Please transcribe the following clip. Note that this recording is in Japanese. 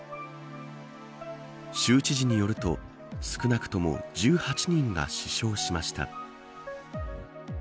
州知事によると少なくとも１８人が死傷しました。